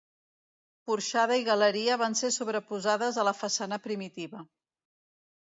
Porxada i galeria van ser sobreposades a la façana primitiva.